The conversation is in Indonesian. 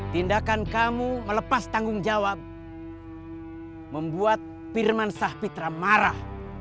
tindakan kamu melepas tanggung jawab membuat pirmansah pitra marah